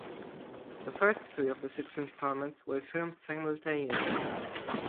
The first three of the six installments were filmed simultaneously.